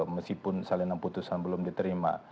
meskipun salinan putusan belum diterima